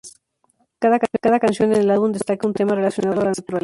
Cada canción en el álbum destaca un tema relacionado a la naturaleza.